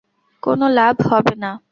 কোনো লাভ হবে না।